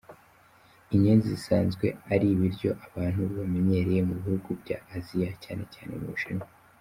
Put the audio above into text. inyenzi zisanzwe ari ibiryo abantu bamenyereye mu bihugu bya Aziya cyane cyane mu Bushinwa.